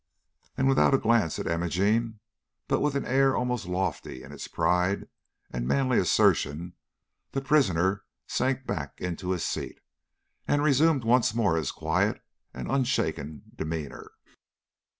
And without a glance at Imogene, but with an air almost lofty in its pride and manly assertion, the prisoner sank back into his seat, and resumed once more his quiet and unshaken demeanor.